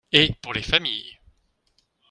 Et pour les familles